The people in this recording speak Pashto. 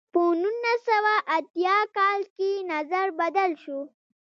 په نولس سوه اتیا کال کې نظر بدل شو.